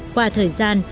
qua thời gian